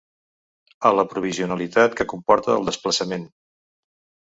A la provisionalitat que comporta el desplaçament.